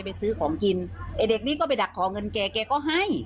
ไปซื้อของกินไอ้เด็กนี้ก็ไปดักขอเงินแกแกก็ให้